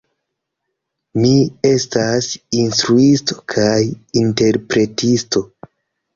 Mi estas instruisto kaj interpretisto.